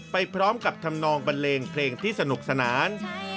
ไปพร้อมกับทำนองบันเลงเพลงที่สนุกสนาน